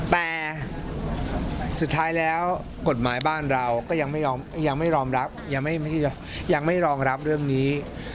แต่สุดท้ายแล้วกฎหมายบ้านเราก็ยังไม่รองรับเรื่องนี้